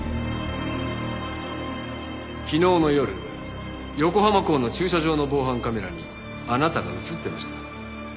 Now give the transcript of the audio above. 昨日の夜横浜港の駐車場の防犯カメラにあなたが映ってました。